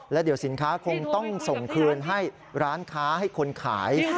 แล้วเดี๋ยวสินค้าคงต้องส่งคืนให้ร้านค้าให้คนขาย